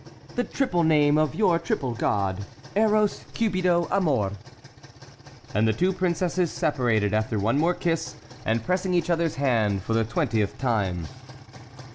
"The triple name of your triple god, 'Eros, Cupido, Amor.'" And the two princesses separated after one more kiss, and pressing each other's hand for the twentieth time.